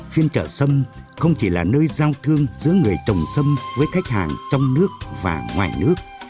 phiên trở sâm không chỉ là nơi giao thương giữa người trồng sâm với khách hàng trong nước và ngoài nước